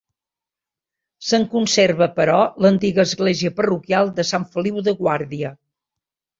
Se'n conserva, però, l'antiga església parroquial de Sant Feliu de Guàrdia.